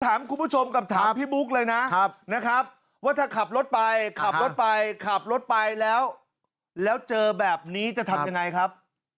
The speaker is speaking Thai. ถามคุณผู้ชมกับถามพี่บุ๊กเลยนะนะครับว่าถ้าขับรถไปขับรถไปขับรถไปแล้วแล้วเจอแบบนี้จะทำยังไงครับ